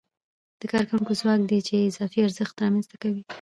د کارکوونکو ځواک دی چې اضافي ارزښت رامنځته کوي